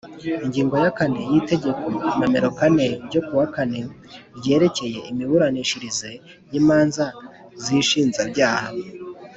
Ingingo ya kane y Itegeko Nomero kane ryo ku wa kane ryerekeye imiburanishirize y imanza z inshinjabyaha